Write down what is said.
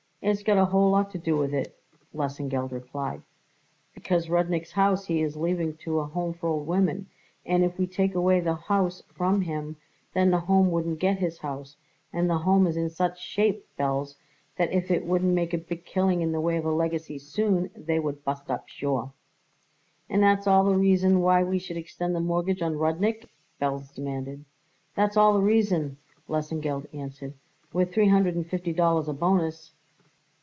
"It's got a whole lot to do with it," Lesengeld replied, "because Rudnik's house he is leaving to a Home for old women, and if we take away the house from him then the Home wouldn't get his house, and the Home is in such shape, Belz, that if it wouldn't make a big killing in the way of a legacy soon they would bust up sure." "And that's all the reason why we should extend the mortgage on Rudnik?" Belz demanded. "That's all the reason," Lesengeld answered; "with three hundred and fifty dollars a bonus."